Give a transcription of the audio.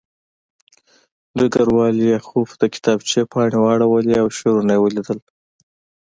ډګروال لیاخوف د کتابچې پاڼې واړولې او شعرونه یې ولیدل